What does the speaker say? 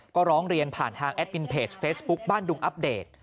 ก็ร้องเรียนผ่านทางแอดมินเพจเฟซบุ๊คบ้านดุงอัปเดต